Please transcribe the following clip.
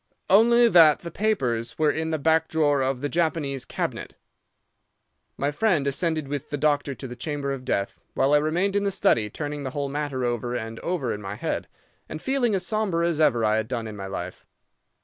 "'Only that the papers were in the back drawer of the Japanese cabinet.' "My friend ascended with the doctor to the chamber of death, while I remained in the study, turning the whole matter over and over in my head, and feeling as sombre as ever I had done in my life.